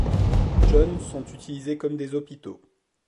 John sont utilisées comme des hôpitaux.